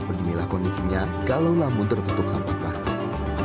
beginilah kondisinya kalau lamun tertutup sampah plastik